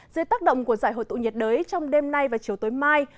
dưới tác động của giải hội tụ nhiệt đới trong đêm nay và chiều tối mai